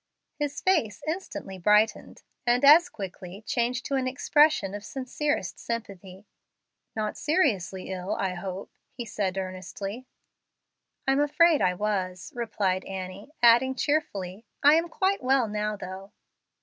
His face instantly brightened, and as quickly changed to an expression of sincerest sympathy. "Not seriously ill, I hope," he said, earnestly. "I'm afraid I was," replied Annie, adding, cheerfully, "I am quite well now, though."